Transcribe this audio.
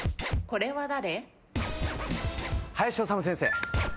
これは誰？